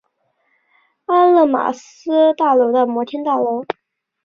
阿勒玛斯大楼的摩天大楼。